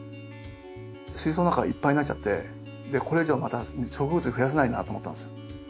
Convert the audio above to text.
水槽の中がいっぱいになっちゃってこれ以上また植物増やせないなと思ったんですよ。